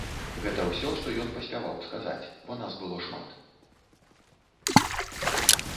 Гэта ўсё, што ён паспяваў сказаць, бо нас было шмат.